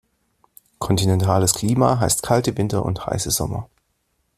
Kontinentales Klima heißt kalte Winter und heiße Sommer.